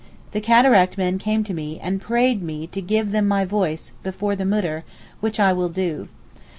The cataract men came to me, and prayed me to 'give them my voice' before the Mudir, which I will do.